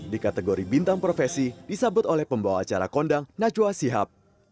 di kategori bintang profesi disambut oleh pembawa acara kondang najwa sihab